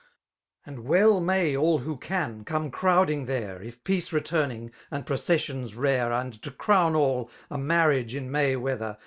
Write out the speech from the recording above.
And well may all who can, come crowding there. If poace returning, and processions rare. And to crowti all, a inarriage in May weather.